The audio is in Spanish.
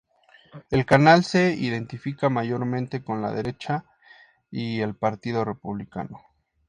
El canal se identifica mayormente con la derecha y el partido republicano.